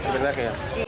gak ada pilihan lagi ya